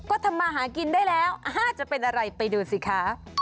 ก็ทำมาหากินได้แล้วจะเป็นอะไรไปดูสิคะ